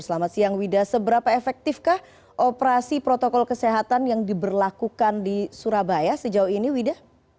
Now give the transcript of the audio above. selamat siang wida seberapa efektifkah operasi protokol kesehatan yang diberlakukan di surabaya sejauh ini wida